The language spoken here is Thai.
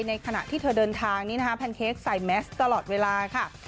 ขณะที่เธอเดินทางนี้นะคะแพนเค้กใส่แมสตลอดเวลาค่ะ